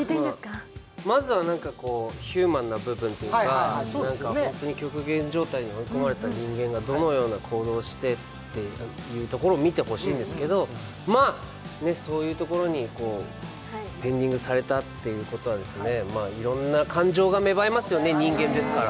まずはヒューマンな部分というか、本当に極限状態に追い込まれた人間がどのような行動をするかというところを見てほしいんですけれども、そういうところにペンディングされたということはいろんな感情が芽生えますよね、人間ですから。